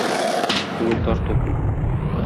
Күңел тарту.